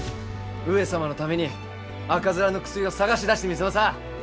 上様のために赤面の薬を探し出してみせまさぁ！